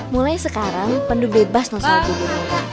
mulai sekarang pandu bebas menolong ibu